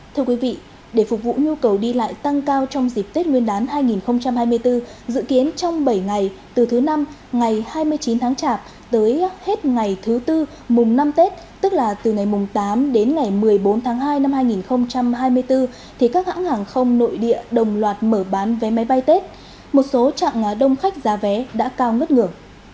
thưa quý vị để phục vụ nhu cầu đi lại tăng cao trong dịp tết nguyên đán hai nghìn hai mươi bốn dự kiến trong bảy ngày từ thứ năm ngày hai mươi chín tháng chạp tới hết ngày thứ bốn mùng năm tết tức là từ ngày mùng tám đến ngày một mươi bốn tháng hai năm hai nghìn hai mươi bốn thì các hãng hàng không nội địa đồng loạt mở bán vé máy bay tết một số chặng đông khách giá vé đã cao ngất ngửa